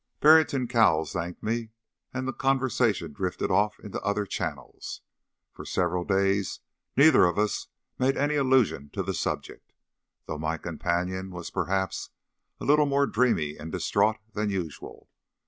Barrington Cowles thanked me, and the conversation drifted off into other channels. For several days neither of us made any allusion to the subject, though my companion was perhaps a little more dreamy and distraught than usual.